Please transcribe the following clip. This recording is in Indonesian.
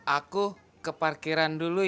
aku ke parkiran dulu ya